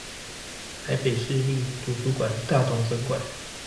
臺北市立圖書館大同分館